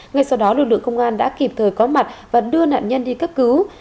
ngay sau đó lực lượng công an đã kịp thời có mặt và đưa nạn nhân đi cấp cứu